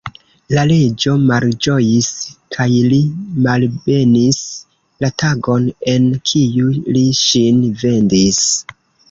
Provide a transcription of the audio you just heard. La reĝo malĝojis kaj li malbenis la tagon, en kiu li ŝin vendis.